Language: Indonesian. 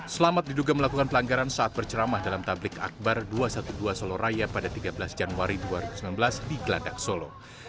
selamat diduga melakukan pelanggaran saat berceramah dalam tablik akbar dua ratus dua belas solo raya pada tiga belas januari dua ribu sembilan belas di geladak solo